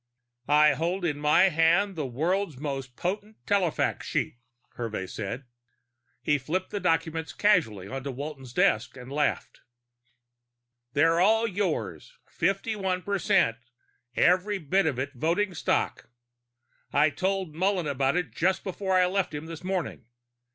"I hold in my hand the world's most potent telefax sheet," Hervey said. He flipped the documents casually onto Walton's desk and laughed. "They're all yours. Fifty one percent, every bit of it voting stock. I told Murlin about it just before I left him this morning.